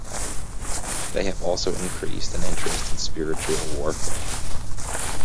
They have also increased an interest in spiritual warfare.